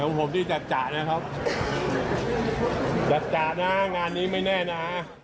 ของผมที่จัดจะนะครับจัดจะนะงานนี้ไม่แน่นะ